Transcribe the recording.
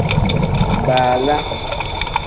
Baala.